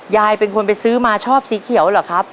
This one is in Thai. ยายเป็นคนไปซื้อมาชอบสีเขียวเหรอครับ